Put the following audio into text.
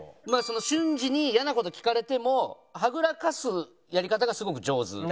まあ瞬時に嫌な事を聞かれてもはぐらかすやり方がすごく上手。